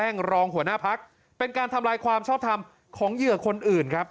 รองหัวหน้าพักเป็นการทำลายความชอบทำของเหยื่อคนอื่นครับ